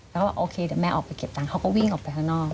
แล้วก็โอเคเดี๋ยวแม่ออกไปเก็บตังค์เขาก็วิ่งออกไปข้างนอก